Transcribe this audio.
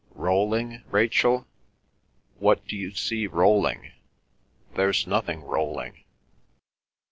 "Rolling, Rachel? What do you see rolling? There's nothing rolling."